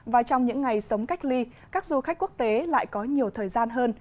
và trong những ngày sống cách ly các du khách quốc tế lại có nhiều thời gian hơn